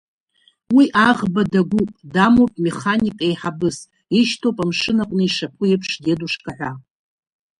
Уи аӷба дагәуп, дамоуп механик еиҳабыс, ишьҭоуп амшын аҟны ишаԥу еиԥш дедушка ҳәа.